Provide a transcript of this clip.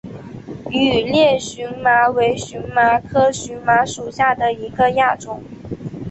羽裂荨麻为荨麻科荨麻属下的一个亚种。